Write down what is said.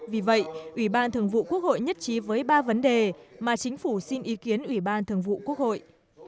vì vậy ủy ban thường vụ quốc hội nhất trí với ba vấn đề mà chính phủ xin ý kiến ủy ban thường vụ quốc hội